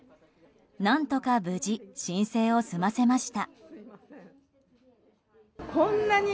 何とか無事申請を済ませました。